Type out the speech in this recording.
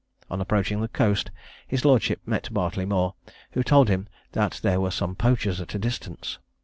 On approaching the coast his lordship met Bartleymore, who told him that there were some poachers at a distance.